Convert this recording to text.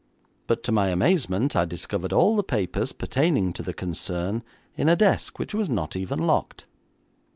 But to my amazement I discovered all the papers pertaining to the concern in a desk which was not even locked.